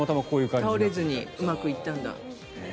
倒れずにうまくいったんだ。